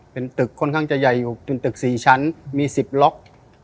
เป็นตึกค่อนข้างจะใหญ่อยู่เป็นตึก๔ชั้นมี๑๐ล็อก